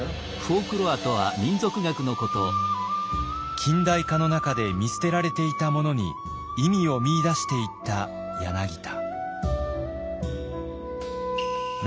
近代化の中で見捨てられていたものに意味を見いだしていった柳田。